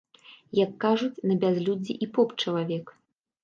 Як кажуць, на бязлюддзі і поп чалавек.